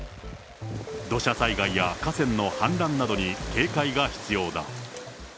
土砂災害や河川の氾濫などに警戒が必要だ。